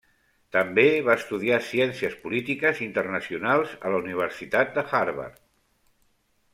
També va estudiar ciències polítiques internacionals a la Universitat Harvard.